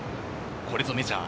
これぞメジャー。